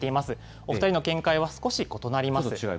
お２人の見解は少し異なります。